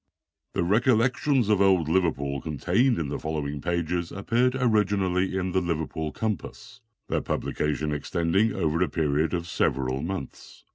The "Recollections of Old Liverpool," contained in the following pages, appeared originally the Liverpool Compass, their publication extending over a period of several months.